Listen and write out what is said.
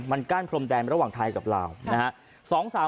มันกั้นพรมแดนระหว่างไทยกับลาวนะฮะ